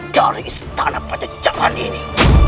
dari istana pancacaran ini